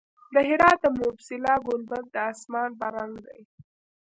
د هرات د موسیلا ګنبد د اسمان په رنګ دی